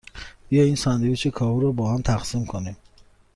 بیا این ساندویچ کاهو را باهم تقسیم کنیم.